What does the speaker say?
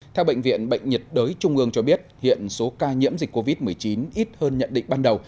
theo bệnh viện bệnh nhiệt đới trung ương cho biết hiện số ca nhiễm dịch covid một mươi chín ít hơn nhận định ban đầu